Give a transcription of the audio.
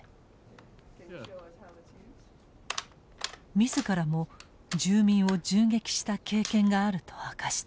自らも住民を銃撃した経験があると明かした。